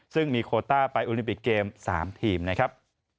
ซึ่งมีโคต้าไปโอลิมปิกเกม๓ทีมนะครับ